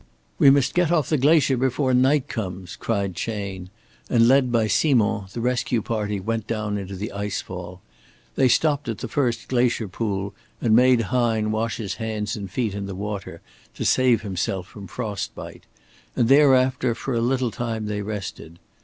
"We must get off the glacier before night comes," cried Chayne, and led by Simond the rescue party went down into the ice fall. They stopped at the first glacier pool and made Hine wash his hands and feet in the water, to save himself from frost bite; and thereafter for a little time they rested.